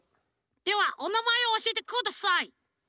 ではおなまえをおしえてください。